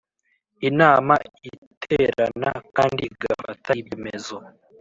inama Iterana kandi igafata ibyemezo